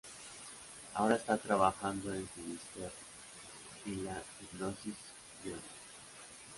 Ahora está trabajando en Finisterre y la hipnosis Guiones.